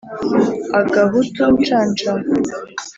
Agahutu ncancama,